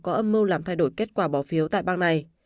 có âm mưu làm thay đổi kết quả bỏ phiếu tại bang này